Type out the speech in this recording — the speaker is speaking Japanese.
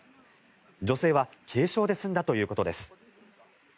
女性は軽傷で済んだということです。